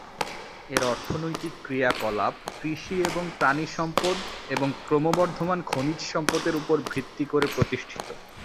এর অর্থনৈতিক ক্রিয়াকলাপ কৃষি এবং প্রাণিসম্পদ এবং ক্রমবর্ধমান খনিজ সম্পদের উপর ভিত্তি করে প্রতিষ্ঠিত।